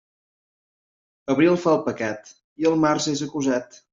Abril fa el pecat, i el març és acusat.